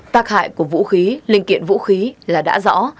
tạc hại của vũ khí linh kiện vũ khí là đã rõ